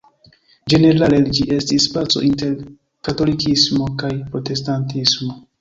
Ĝenerale ĝi estis paco inter katolikismo kaj protestantismo.